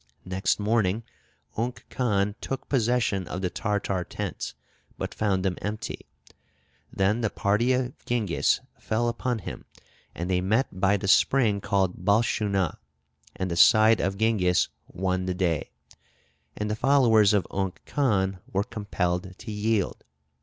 Next morning Unk Khan took possession of the Tartar tents, but found them empty. Then the party of Tschingys fell upon him, and they met by the spring called Balschunah, and the side of Tschingys won the day; and the followers of Unk Khan were compelled to yield.